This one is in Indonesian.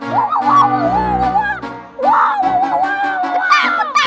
putak putak putak